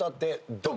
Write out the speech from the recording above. ドン！